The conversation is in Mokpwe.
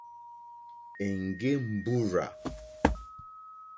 Èŋɡé mbúrzà.